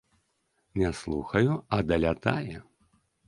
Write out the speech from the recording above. Не слухаю, а далятае.